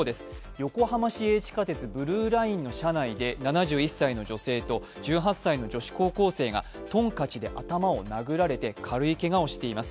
横浜市営地下鉄ブルーラインの車内で７１歳の女性と１８歳の女子高校生がトンカチで頭を殴られて軽いけがをしています。